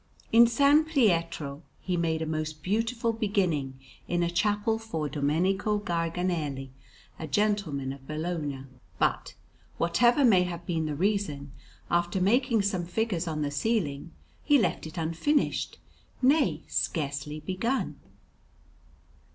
In S. Pietro he made a most beautiful beginning in a chapel for Domenico Garganelli, a gentleman of Bologna; but, whatever may have been the reason, after making some figures on the ceiling, he left it unfinished, nay, scarcely begun.